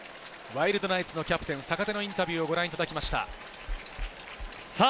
ワイルドナイツのキャプテン・坂手のインタビューをご覧いただきました。